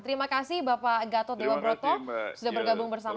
terima kasih bapak gatot dewa broto sudah bergabung bersama kami